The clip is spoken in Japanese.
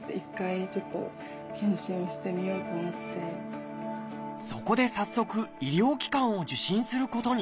さすがにそこで早速医療機関を受診することに。